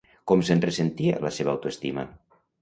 Com se'n ressentia la seva autoestima?